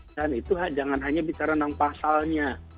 dan itu jangan hanya bicara tentang pasalnya